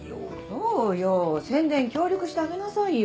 そうよ宣伝協力してあげなさいよ。